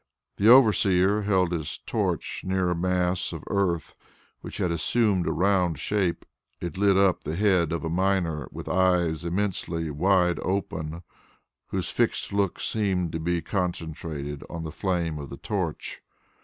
The overseer held his torch near a mass of earth which had assumed a round shape. It lit up the head of a miner with eyes immensely wide open whose fixed look seemed to be concentrated on the flame of the torch.